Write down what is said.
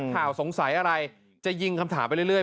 สงสัยอะไรจะยิงคำถามไปเรื่อย